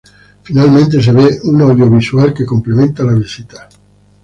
Finalmente se ve un audiovisual que complementa la visita.